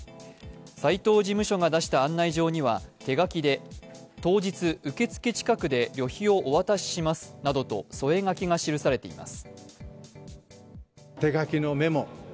斉藤事務所が出した案内状には手書きで当日、受付近くで旅費をお渡ししますなどと添え書きが記されています。